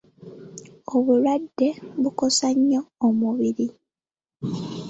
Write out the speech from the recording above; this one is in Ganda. Obulwadde bukosa nnyo omubiri.